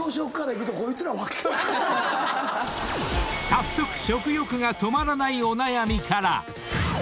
［早速食欲が止まらないお悩みから］